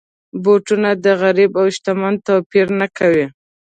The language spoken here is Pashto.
بوټونه د غریب او شتمن توپیر نه کوي.